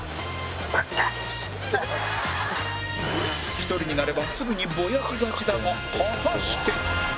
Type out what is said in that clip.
１人になればすぐにボヤキがちだが果たして